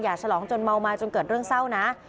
ฉลองจนเมามาจนเกิดเรื่องเศร้านะ